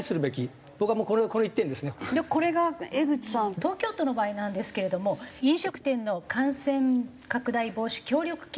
東京都の場合なんですけれども飲食店の感染拡大防止協力金。